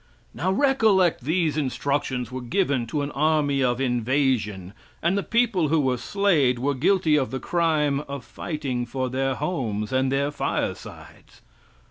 (Now recollect, these instructions were given to an army of invasion, and the people who were slayed were guilty of the crime of fighting for their homes and their firesides.